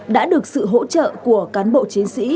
đã được sự hỗ trợ của cán bộ chiến sĩ